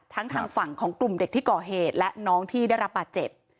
ทั้งทางฝั่งของกลุ่มเด็กที่ก่อเหตุและน้องที่ได้รับบาดเจ็บ